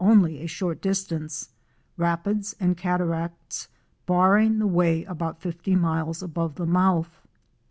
only a short distance, rapids and cataracts barring the way about fifty miles above the mouth.